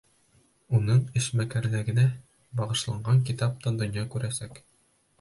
Уның эшмәкәрлегенә бағышланған китап та донъя күрәсәк.